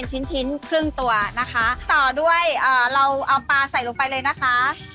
ช่วงเรียบเพราะผัวเราเอาปลาใส่ลงไปเลยนะคะ